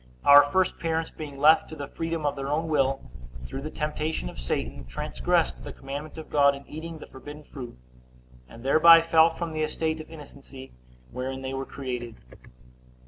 Our first parents being left to the freedom of their own will, through the temptation of Satan, transgressed the commandment of God in eating the forbidden fruit; and thereby fell from the estate of innocency wherein they were created.